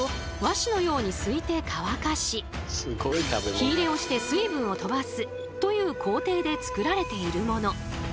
火入れをして水分を飛ばすという工程で作られているもの。